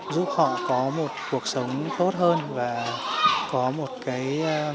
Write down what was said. giúp họ có một cuộc sống tốt hơn và có một cái